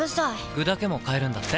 具だけも買えるんだって。